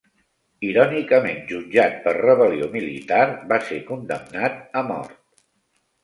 Irònicament jutjat per rebel·lió militar, va ser condemnat a mort.